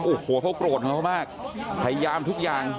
โอ้โฮเขากรดมากพยายามทุกอย่าง